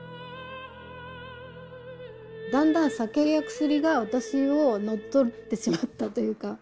だんだん酒や薬が私を乗っ取ってしまったというか。